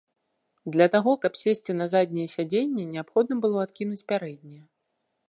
Для таго, каб сесці на заднія сядзенні, неабходна было адкінуць пярэднія.